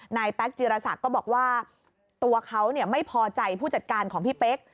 แป๊กจิรษักก็บอกว่าตัวเขาไม่พอใจผู้จัดการของพี่เป๊ก